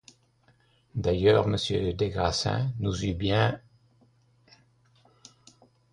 D’ailleurs monsieur des Grassins nous eût bien...